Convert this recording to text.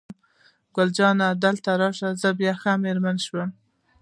ګل جانې: دلته راشه، زه بیا ښه مېرمن شوم.